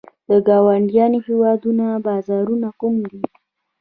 د ګاونډیو هیوادونو بازارونه کوم دي؟